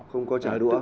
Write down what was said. không có trả đũa